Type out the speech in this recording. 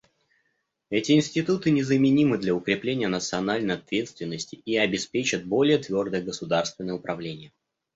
Эти институты незаменимы для укрепления национальной ответственности и обеспечат более твердое государственное управление.